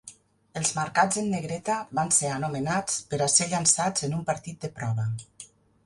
Els marcats en negreta van ser anomenats per a ser llançats en un partit de prova.